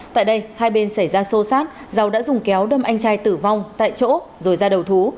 tại đây hai bên xảy ra sô sát dầu đã dùng kéo đâm anh trai tử vong tại chỗ rồi ra đầu thú